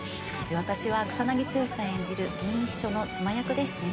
私は草剛さん演じる議員秘書の妻役で出演しています。